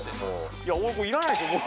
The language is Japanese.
いや、僕、これいらないでしょ。